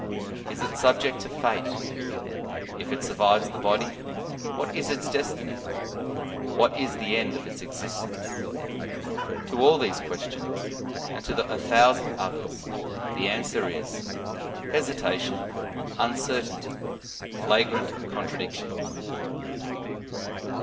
Is it subject to fate? If it survives the body, what is its destiny ? What is the end of its existence ? To all these questions, and to a thousand others, the answer is, Hesitation, uncer tainty, flagrant contradictions.